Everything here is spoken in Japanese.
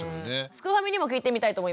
すくファミにも聞いてみたいと思います。